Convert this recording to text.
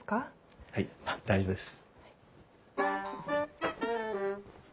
はい大丈夫です。